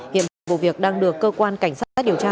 hiện vụ việc đang được cơ quan cảnh sát điều tra